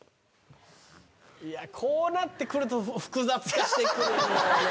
いやこうなってくると複雑化してくる。